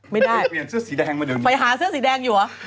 ไม่ได้เพื่อนเสื้อสีแดงมาเดิมงี้ไหวหาเสื้อสีแดงอยู่